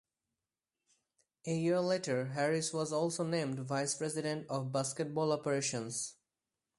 A year later Harris was also named Vice President of Basketball Operations.